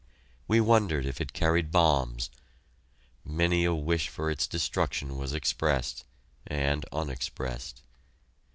We wondered if it carried bombs. Many a wish for its destruction was expressed and unexpressed.